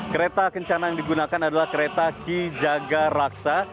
kereta kencana yang digunakan adalah kereta kijaga raksa